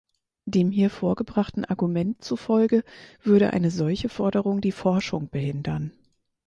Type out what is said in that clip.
Dem hier vorgebrachten Argument zufolge würde eine solche Forderung die Forschung behindern.